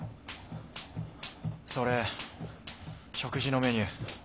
それ食事のメニュー。